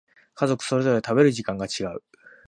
家族それぞれ食べる時間が違う